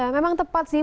memang tepat sih